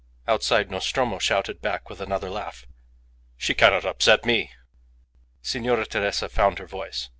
Outside Nostromo shouted back with another laugh "She cannot upset me." Signora Teresa found her voice.